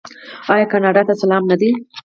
آیا کاناډا ته سلام نه دی؟